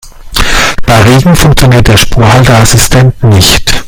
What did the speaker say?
Bei Regen funktioniert der Spurhalteassistent nicht.